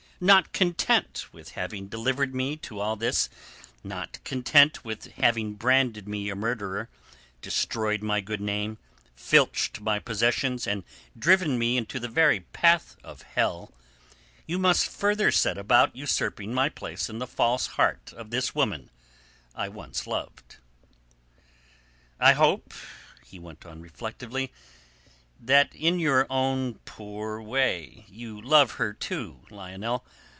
"Not content with having delivered me to all this, not content with having branded me a murderer, destroyed my good name, filched my possessions and driven me into the very path of hell, you must further set about usurping my place in the false heart of this woman I once loved." "I hope," he went on reflectively, "that in your own poor way you love her, too, Lionel.